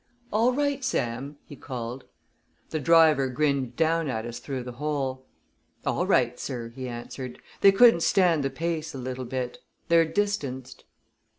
"All right, Sam?" he called. The driver grinned down at us through the hole. "All right, sir," he answered. "They couldn't stand the pace a little bit. They're distanced."